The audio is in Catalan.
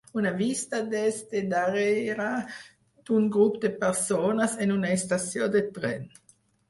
Una vista des de darrere d'un grup de persones en una estació de tren